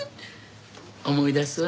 思い出すわ。